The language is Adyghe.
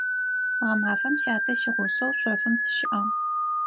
Гъэмафэм сятэ сигъусэу шъофым сыщыӀагъ.